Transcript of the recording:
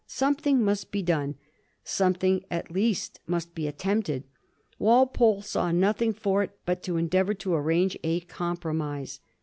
Something must be done ; something at least must be attempted. Walpole saw nothing for it but to endeavor to arrange a compromise.